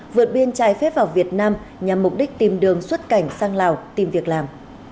vượt biên trái phép vào việt nam nhằm mục đích tìm đường xuất cảnh sang lào tìm việc làm